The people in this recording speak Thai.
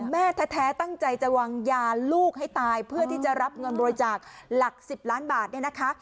แม่แท้ตั้งใจจะวางยาลูกให้ตายเพื่อที่จะรับเงินบริจาคหลัก๑๐ล้านบาทเนี่ยนะคะ